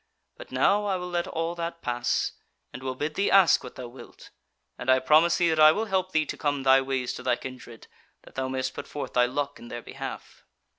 But now I will let all that pass, and will bid thee ask what thou wilt; and I promise thee that I will help thee to come thy ways to thy kindred, that thou mayst put forth thy luck in their behalf."